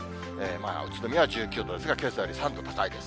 宇都宮は１９度ですが、けさより３度高いです。